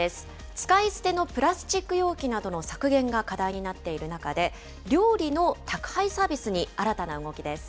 使い捨てのプラスチック容器などの削減が課題になっている中で、料理の宅配サービスに新たな動きです。